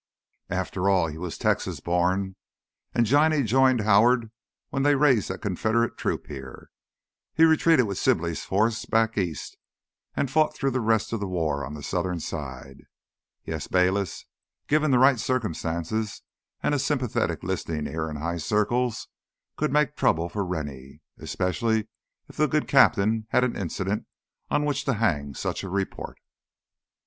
After all, he was Texas born. And Johnny joined Howard when they raised that Confederate troop here. He retreated with Sibley's force back east and fought through the rest of the war on the Southern side. Yes, Bayliss, given the right circumstances and a sympathetic listening ear in high circles, could make trouble for Rennie. Especially if the good captain had an incident on which to hang such a report."